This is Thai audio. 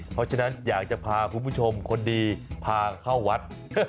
เพราะฉะนั้นอยากจะพาคุณผู้ชมคนดีพาเข้าวัด